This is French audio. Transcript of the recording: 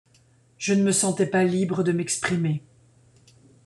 Je ne me sentais pas libre de m'exprimer.